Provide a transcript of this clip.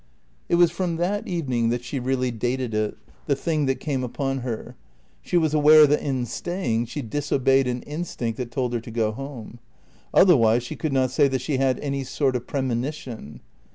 It was from that evening that she really dated it, the thing that came upon her. She was aware that in staying she disobeyed an instinct that told her to go home. Otherwise she could not say that she had any sort of premonition.